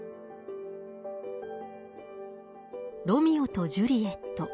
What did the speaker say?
「ロミオとジュリエット」